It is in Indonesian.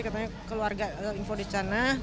katanya keluarga info di sana